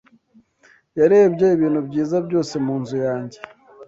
Yarebye ibintu byiza byose mu nzu yanjye.